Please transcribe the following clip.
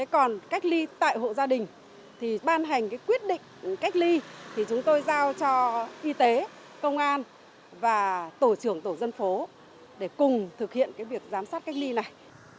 còn cách ly tại hộ gia đình thì ban hành quyết định cách ly thì chúng tôi giao cho y tế công an và tổ trưởng tổ dân phố để cùng thực hiện việc giám sát cách ly này